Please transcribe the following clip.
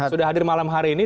sudah hadir malam hari ini